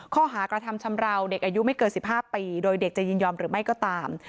ข้อหากระทำชำราวเด็กอายุไม่เกิน๑๕ปีโดยเด็กจะยินยอมหรือไม่ก็ตาม